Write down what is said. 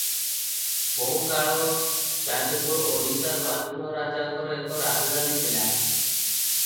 ବହୁକାଳ ଯାଜପୁର ଓଡ଼ିଶା ସ୍ୱାଧୀନରାଜାଙ୍କର ଏକ ରାଜଧାନୀ ଥିଲା ।